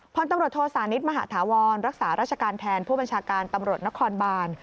พลตำรวจโทษานิทมหาธาวรรักษาราชการแทนผู้บัญชาการตำรวจนครบาน